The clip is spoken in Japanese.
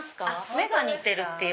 目が似てるって。